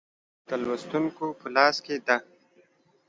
د لوستونکو په لاس کې ده.